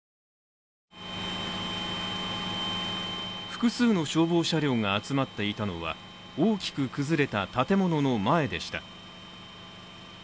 複数の消防車両が集まっていたのは大きく崩れた建物の前でした。